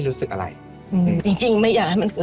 ลูกขาดแม่